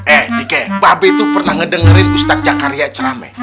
eh tike mbak beng itu pernah ngedengerin ustaz jakaria cerame